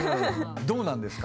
どうなんですか？